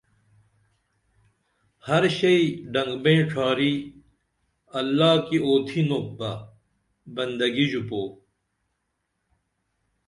ہر شئی ڈنگبئیں ڇھاری اللہ کی اوتھینوپ بہ بندگی ژوپو